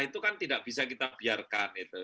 itu kan tidak bisa kita biarkan